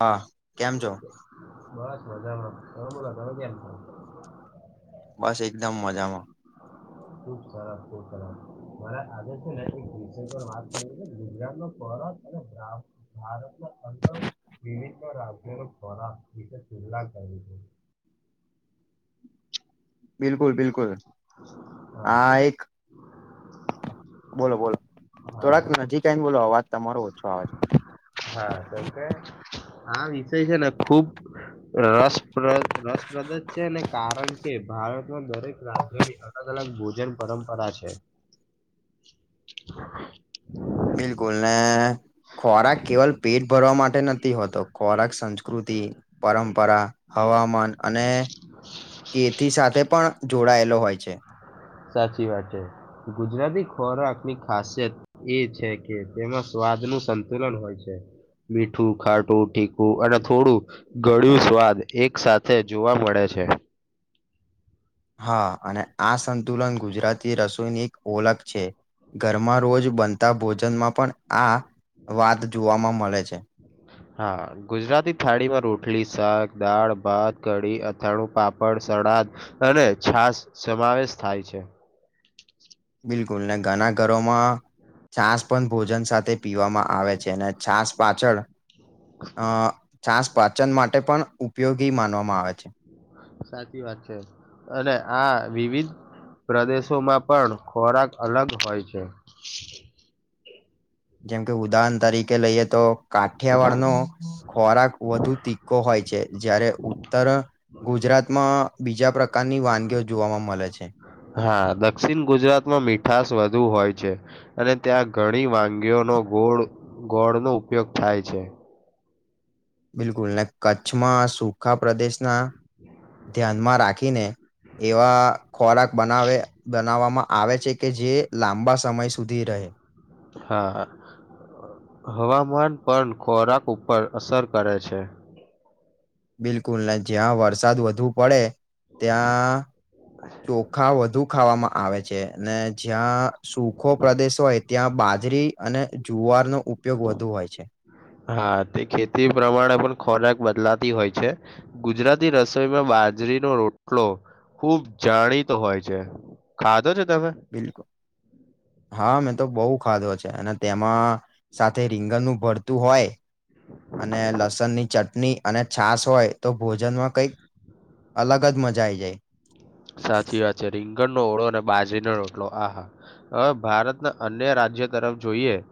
હા કેમ છો બસ મજામાં તમે કેમ છો બસ એકદમ મજામાં ખુબ સરસ ખુબ સરસ મને આજે છે વિષય પર વાત કરવી ભરત અને રામ ભારતના અંદર વિવિધ રાજ્યોનું ખોરાક વિશે ખુલા કરવી [inaudible] બિલકુલ બિલકુલ હા કેમ કે એક બોલો બોલો હા થોડાક કેમ કે- નજીક આવીને બોલો અવાજ તમારો ઓછો આવે છે હા શમક આ વિષય છે ને ખુબ રસપ્ર રસપ્રદ જ છે ને કારણ કે ભારતમાં દરેક રાજ્યોની અલગ અલગ ભોજન પરંપરા છે [inaudible] બિલકુલ ને ખોરાક કેવલ પેટ ભરવા માટે નથી હોતો ખોરાક સંસ્કૃતિ પરંપરા હવામાન અને કેથી સાથે પણ જોડાયેલો હોય છે. સાચી વાત છે ગુજરાતી ખોરાક ની ખાસિયત એ છે કે તેમાં સ્ વાજનું સંતુલન હોય છે મીઠું ખાટું તીકું અને થોડું ગળયું સ્વાદ એક સાથેથે જોવા મળે છે. [unintelligible] હા, અને આ સંતુલન ગુજરાતી રસોઈની એક ઓળખ છે. ઘરમાં રોજ બનતા ભોજનમાં પણ આ વાત જોવાવામાં મળે છે, હા, ગુજરાતી થાળીમાં રોટલી શાક દાળ ભાત કઢી અથાણું પાપડ સડાદ અને છાસ સમાવેશ થાય છે. બિલકુલ ને ઘના ઘરોમાં છાસ પણ ભોજન સાથે પીવામાં આવે છે, અને છાસ પાછળ અ છાસ પાચન માટે પણ ઉપયોગી માનવામાં આવે છે. સાચી વાત છે, અને આ વિવિધ પ્રદેશોમાં પણ ખોરાક અલગ હોય છે. જેમ કે ઉદાહરણ તરીકે લઈએ તો કાઠિયાવાડ નો ખોરાક વધુ તીકો હોય છે, જય્યારે ઉત્તર ગુજરાતમાં બીજા પ્રકારના ની વાનગીઓ જોવા મળે છે, હા, દક્ષિણ ગુજરાતમાં મીઠશ વધુ હોય છે, અને ત્યાં ઘણી વાનગીઓનો ગોળ ગોળ નો ઉપયોગ થાય છે, બિલકુલ કચ્છમાં સૂખા પ્રદેશના ધ્યાનમાં રાખીને એવા ખોરાક બનાવે બનાવામાં આવે છે, કે જે લાંબા સમય સુધી રહે. હા હવામાન પણ ખોરાક ઉપર અસર કરે છે. બિલકુલ ન જ્યાં વરસાદ વધુ પડે ત્યાં ચોખા વધુ ખાવામાં આવે છે, અનેને જ્યાં સુૂખો પ્રદેશ હોય ત્યાં બાજરી અને જુવારનો ઉપયોગ વધુ હોય છે હા, તે ખેતી પ્રમાણે પણ ખોરાક બદલાતા હોય છે, ગુજરાતી રસોઈમાં બાજરીનો રોટલો ખુબ જાણીતો હોય છે, ખાધો છે? તમે બિલકુલ હા મેં તો બહુ ખાધો છે. અને તેમાં સાથે રીંગણનું ભરતું હોય અને લસણ ની ચટણી ચટની અને છાસ હોય તો ભોજનમાં કઈક અલગ જ મજા આઈ જાય. સાચી વાત છે, રિંગ ન ઓળો અને બાજરીનો રોટલો આહા હવે ભારતના અન્ય રાજ્યો તરફ જોઈએ [inaudible]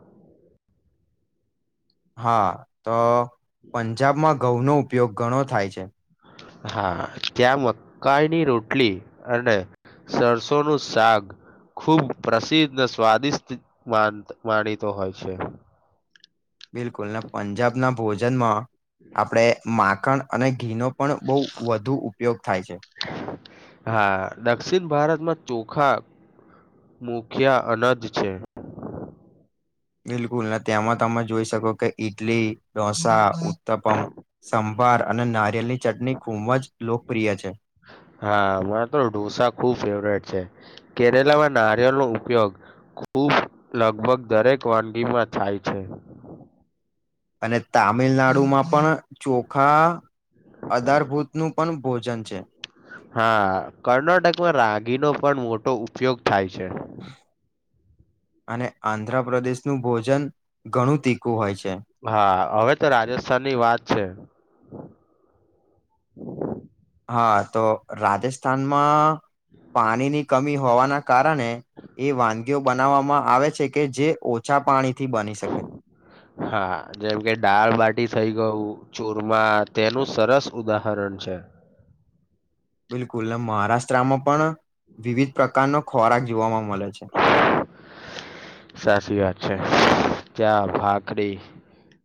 હા તો પંજાબમાં ઘઉંનો ઉપયોગ ઘણો થાય છે. હા, ત્યાં મકાઈની રોટલી અને સરસો નું સાક ખૂબ પ્રસિદ્ધ સ્વાદિષ્ટ માનીતો હોય છે, બિલકુલ ને પંજાબના ભોજનમાં આપણે માખણ અને ઘીનો પણ બહુ વધુ ઉપયોગ થાય છે. હા દક્ષિણ ભારતમાં ચોખા મુખ્યા અનજ છે, બિલકુલ તેમાં તમે જોઈ શકો કે ઈડલી ઢોસા ઉત્તપમ બાર અને નારિયેની ચટણી ખૂબ જ લોકપ્રિય છે, હા, મા તો ઢોસા ખુબ ફેવરેટ છે, કેરેલામાં નારિયળ નો ઉપયોગ ખૂબ લગભગ દરેક વાનગીમાં થાય છે. અને તામિલનાડુમાં પણ ચોખા અધારભૂતનું પણ ભોજન છે. હા કર્ણાટકમાં રાગીનો પણ મોટો ઉપયોગ થાય છે. અને આંધ્રપદેશનું ભોજન ઘણું તીખું હોય છે. હા, હવે તો રાજસ્થાનની વાત છે. [inaudible] હા, તો રાજસ્થાનમાં પાણીની કમી હોવાના કારણે એ વાનગીઓ બનાવવામાં આવે છે કે જે ઓછા પાણી હા, જેમ કે દાળબટી થઈ ગયું ચૂરમા તેનું સરસ ઉદાહરણ છે. બિલકુલ. ને મહારાષ્ટ્રામાં પણ વિવિધ પ્રકારનો ખોરાક જોવામાં મલે છે. સાચી વાત છે. ચા-ભાખરી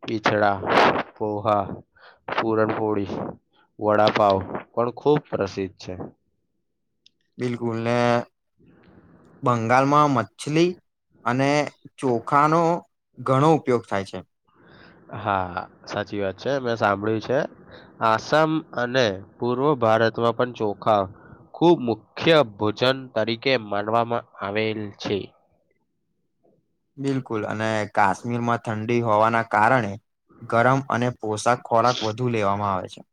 પિછડા, પોહા પૂરણપોળી, વડાપાવ પણ ખુબ પ્રસિદ્ધ છે. બિલકુલને [inaudible] બંગાળમાં મછલી અને ચોખાનો ઘણો ઉપયોગ થાય છે. હા, સાચી વાત છે. મેં સાંભળ્યું છે આસામ અને પૂર્વ ભારતમાં પણ ચોખા ખુબ મુખ્ય ભોજન તરીકે માનવામાં આવેલ છે. બિલકુલ. અને કાશ્મીરમાં ઠંડી હોવાના કારણે ગરમ અને પોશાક ખોરાક વધુ લેવામાં આવે છે.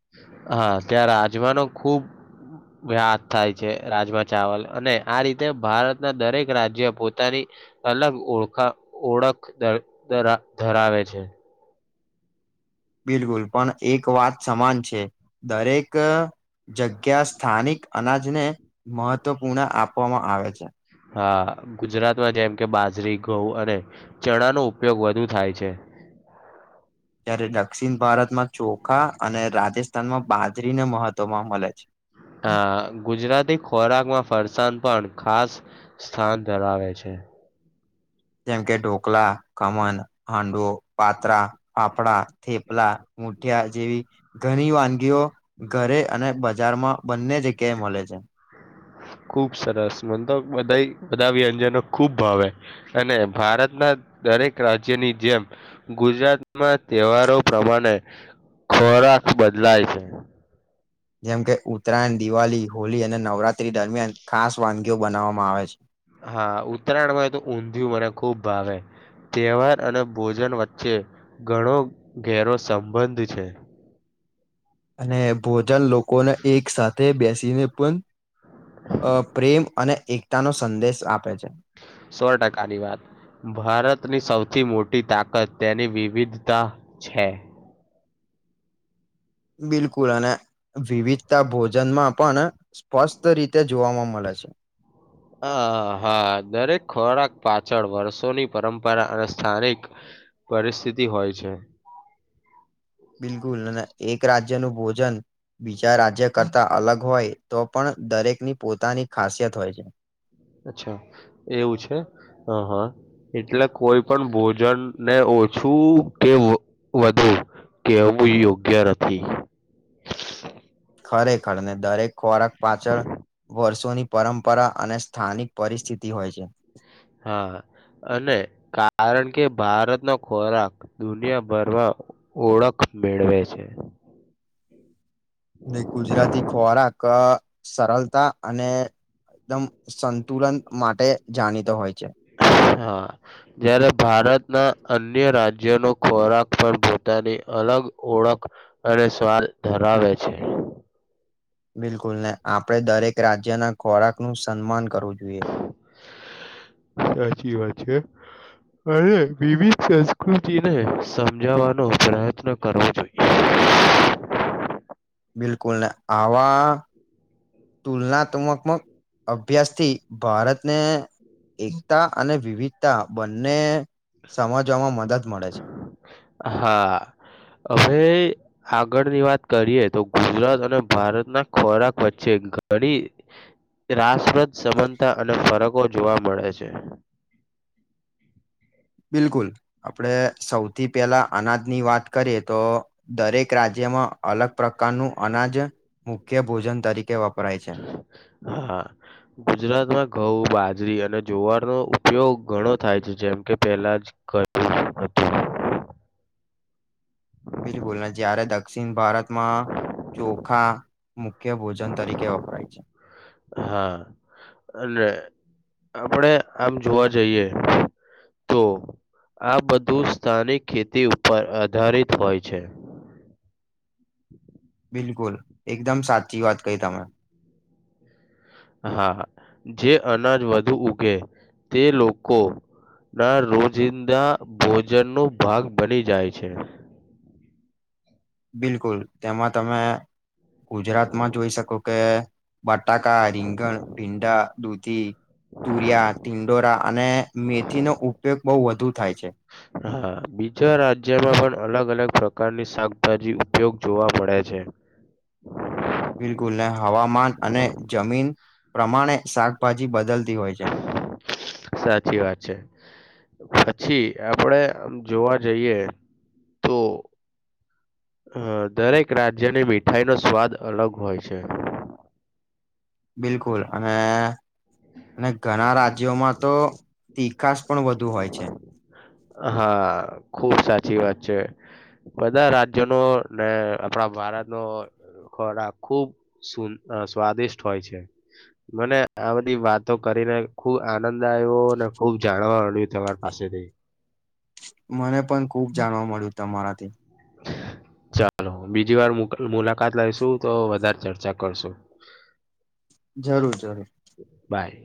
હા, ત્યાં રાજમાનો ખુબ [unintelligible] થાય છે. રાજમા ચાવલ અને આ રીતે ભારતના દરેક રાજ્ય પોતાની અલગ ઓળખા ઓળખ ધ ધરા ધરાવે છે. બિલકુલ. પણ એક વાત સમાન છે દરેક જગ્યા સ્થાનિક અનાજને મહત્વપૂર્ણ આપવામાં આવે છે. હા, ગુજરાતમાં જેમ કે બાજરી, ઘઉં અને ચણાનો ઉપયોગ વધુ થાય છે. [inaudible] જ્યારે દક્ષિણ ભારતમાં ચોખા અને રાજસ્થાનમાં બાજરીને મહત્વમાં મલે છે. હા, ગુજરાતી ખોરાકમાં ફરસાણ પણ ખાસ સ્થાન ધરાવે છે. જેમ કે ઢોકલા ખમણ, હાંડવો, પાત્રા, ફાફડા, થેપલા, મુઠિયા જેવી ઘણી વાનગીઓ ઘરે અને બજારમાં બંને જગ્યાએ મલે છે. [inaudible] ખુબ સરસ. મન તો બધાય બધા વ્યંજનો ખુબ ભાવે અને ભારતના દરેક રાજ્યની જેમ ગુજરાતમાં તહેવારો પ્રમાણે ખોરાક બદલાય છે. જેમ કે ઉત્તરાયણ, દિવાલી, હોલી અને નવરાત્રી દરમિયાન ખાસ વાનગીઓ બનાવવામાં આવે છે. હા, ઉત્તરાયણમાં તો ઊંધિયું મને ખુબ ભાવે. તહેવાર અને ભોજન વચ્ચે ઘણો ઘેરો સંબંધ છે. અને ભોજન લોકોને એક સાથે બેસીને પણ અ પ્રેમ અને એકતાનો સંદેશ આપે છે. સો ટકાની વાત ભારતની સૌથી મોટી તાકાત તેની વિવિધતા છે. બિલકુલ અને વિવિધતા ભોજનમાં પણ સ્પષ્ટ રીતે જોવામાં મલે છે. [inaudible] હ હા દરેક ખોરાક પાછળ વર્ષોની પરંપરા અને સ્થાનિક પરિસ્થિતિ હોય છે બિલકુલ અને એક રાજ્યનું ભોજન બીજા રાજ્ય કરતા અલગ હોય તો પણ દરેક ની પોતાની ખાસિયત હોય છે અચ્છા એવું છે હ હા એટલે કોઈ પણ ભોજન ને ઓછું કે વધુ કે હમું યોગ્ય નથી ખરેખર ને દરેક ખોરાક પાછળ વર્ષોની પરંપરા અને સ્થાનિક પરિસ્થિતિ હોય છે હા અને કારણ કે ભારતનો ખોરાક દુનિયાભરમાં ઓળખ મેળવે છે નને ગુજરાતી ખોરાક સરળતા અને એકદમ સંતુલન માટે જાણીતો હોય છે હા જ્યારે ભારતના અન્ય રાજ્યોનો ખોરાક પણ પોતાની અલગ ઓળખ અને સ્વાલ ધરાવે છે બિલકુલ નહી આપણે દરેક રાજ્યના ખોરાકનું સન્માન કરવું જોઈએ સાચી વાત છે અને વિવિધ સંસ્કૃતિને સમજાવવાનો પ્રયત્ન કરવો જોઈએ [inaudible] બિલકુલ ના આવા તુલનાત્મકમક અભ્યાસથી ભારતને એકતા અને વિવિધતા બંને સમજવામાં મદદ મળે છે [inaudible] હા હવે આ આગળની વાત કરીએ તો ગુજરાત અને ભારતના ખોરાક વચ્ચે ઘણી રાસપ્રદ સમાનતા અને ફરકો જોવા મળે છે બિલકુલ આપડ સૌથી પહેલા અનાજની વાત કરીએ તો દરેક રાજ્યમાં અલગ પ્રકાર નું અનાજ મુખ્ય ભોજન તરીકે વપરાય છે હા ગુજરાતમાં ઘઉ બા જરી અને જવારનો ઉપયોગ ઘણો થાય છે જેમકે પહેલા જ કર હતું બિલકુલ જયારે દક્ષિણ ભારતમાં ચોખા મુખ્ય ભોજન તરીકે વપરાય છે હા અને આપડે આમ જોવા જઈએ તો આ બધું સ્થાનિક ખેતી ઉપર આધારિત હોય છે [inaudible] બિલકુલ એકદમ સાચી વાત કહી તમે હા જે અનાજ વધુ ઉગે તે લોકો ના રોજિંદા ભોજન ન ભાગ બની જાય છે બિલકુલ તેમાં તમે ગુજરાતમાં જોઈ શકો કે બટાકા રીંગણ ભીંડા દૂધી તુરિયા તિંડોરા અને મેથીનોો ઉપયોગ બહુ વધુ થાય છે હા બીજા રાજ્યમાં પણ અલગ અલગ પ્રકારની શાકભાજી ઉપયોગ જોવા મળડે છે [inaudible] બિલકુલ નહી હવામાન અને જમીન પ્રમાણે શાકભાજી બદલતી હોય છે [inaudible] સાચી વાત છે પછી આપડે આ જોવા જઈએ તો હ દરેક રાજ્યની મીઠાઈ નો સ્વાદ અલગ હોય છે બિલકુલ અને અને ઘણા રાજ્યોમાં તો તી ખાસ પણ વધુ હોય છે હા ખુબ સાચી વાત છે બધા રાજ્યો ન ને આપણા ભારત નો ખોરાક ખુબ સ્વાદિષ્ટ હોય છે મને આ બધી વાતો કરી ને ખુબ આનંદ આવ્યો અનેને ખુબ જાણવા મળ્યું તમારી પાસેથી મને પણ ખુબ જાણવા મળ્યું તમારાથી ચાલો બીજી વાર મુલાકાત લઈશું તો વધારે ચર્ચા કરશું જરૂર જરૂર બાય.